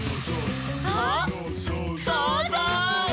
「あっそうぞう！」